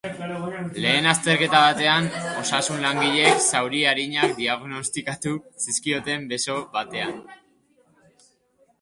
Lehen azterketa batean, osasun-langileek zauri arinak diagnostikatu zizkioten beso batean.